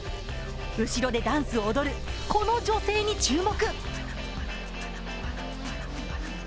後ろでダンスを踊るこの女性に注目。